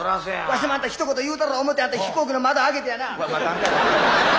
わしもひと言言うたろう思うて飛行機の窓開けてやな。